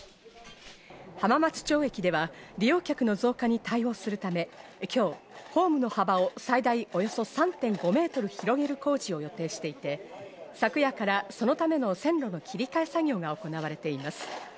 浜松町駅では利用客の増加に対応するため、今日ホームの幅を最大およそ３．５ｍ広げる工事を予定していて、昨夜からそのための線路の切り替え作業が行われています。